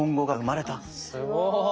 すごい。